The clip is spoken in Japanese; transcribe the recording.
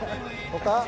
ほか？